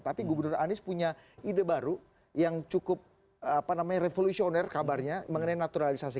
tapi gubernur anies punya ide baru yang cukup revolusioner kabarnya mengenai naturalisasi